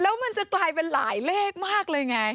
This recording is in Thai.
แล้วมันจะกลายเป็นหลายเลขมากเลยไง